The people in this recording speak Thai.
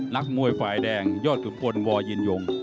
นักมวยฝ่ายแดงยอดขุนพลวอยินยง